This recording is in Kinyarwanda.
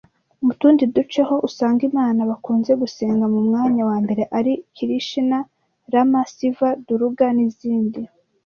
Mu tundi duce ho usanga imana bakunze gusenga mu mwanya wa mbere ari Kirishina, Rama, Siva, Duruga, n’izindi